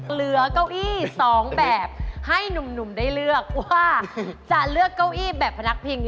เหลือเก้าอี้๒แบบให้หนุ่มได้เลือกว่าจะเลือกเก้าอี้แบบพนักพิง